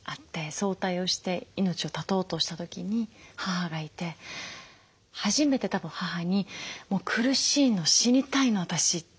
早退をして命を絶とうとした時に母がいて初めてたぶん母に「苦しいの死にたいの私」って。